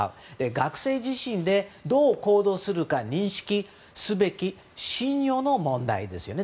学生自身でどう行動するか認識すべき信用の問題ですよね。